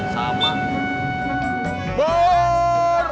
salah tau pur